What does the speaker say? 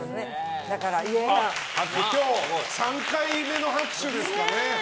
今日３回目の拍手ですかね。